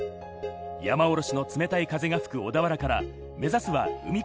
山おろしの冷たい風が吹く小田原から、目指すは海風